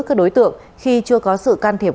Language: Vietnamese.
các đối tượng khi chưa có sự can thiệp